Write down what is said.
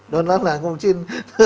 đó là không chuyên